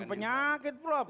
bukan penyakit prop